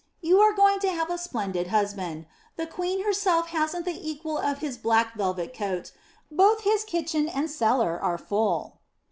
You are going to have a splendid husband; the queen herself hasn't the equal of his black velvet coat; both his kitchen and his cellar are full."